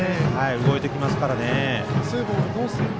動いてきますからね。